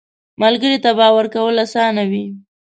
ملګری ته باور کول اسانه وي